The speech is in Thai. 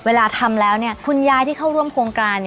เวลาทำแล้วคุณยายที่เข้าร่วมโครงการ